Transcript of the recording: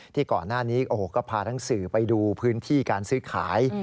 ที่ก่อนหน้านี้ก็พาหนังสือไปดูพื้นที่การซื้อขาย